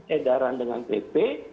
edaran dengan pp